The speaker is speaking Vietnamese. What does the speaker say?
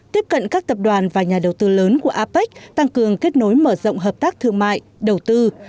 tiếp cận các tập đoàn và nhà đầu tư lớn của apec tăng cường kết nối mở rộng hợp tác thương mại đầu tư